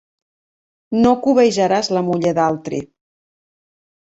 No cobejaràs la muller d'altri.